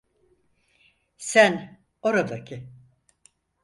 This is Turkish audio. Sen, oradaki!